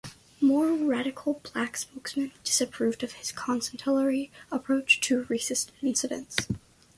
More radical black spokesmen disapproved of his conciliatory approach to racist incidents.